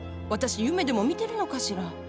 私夢でも見てるのかしら？